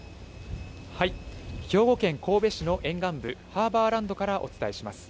兵庫県神戸市の沿岸部、ハーバーランドからお伝えします。